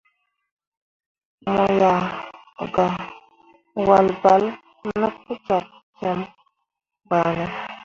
Mo ah gah wahl balle no pu cok kiem bah ne.